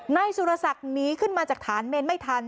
นายสุรศักดิ์หนีขึ้นมาจากฐานเมนไม่ทัน